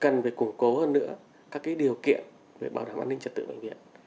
cần phải củng cố hơn nữa các cái điều kiện về bảo đảm an ninh chật tự bệnh viện